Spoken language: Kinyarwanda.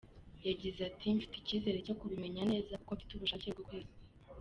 Yagize ati “Mfite icyizere cyo kubimenya neza kuko mfite ubushake bwo kwiga.